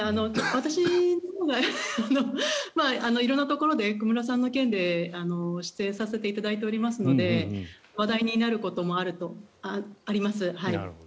私のほうが色んなところで小室さんの件で出演させていただいておりますので話題になることもあります。